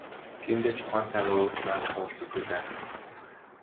Тиймдээ ч ухаантайгаа өөд нар харуулдаггүй байх.